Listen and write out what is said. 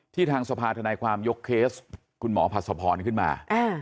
ทางสภาธนายความยกเคสคุณหมอผัดสะพรขึ้นมา